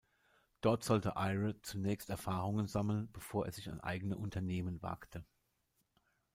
Dort sollte Eyre zunächst Erfahrung sammeln, bevor er sich an eigene Unternehmen wagte.